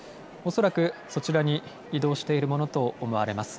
恐らくそちらに移動しているものと思われます。